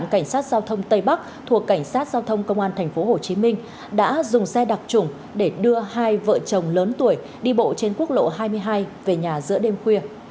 công an tp hcm đã dùng xe đặc trùng để đưa hai vợ chồng lớn tuổi đi bộ trên quốc lộ hai mươi hai về nhà giữa đêm khuya